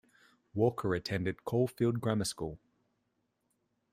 Walker attended Caulfield Grammar School.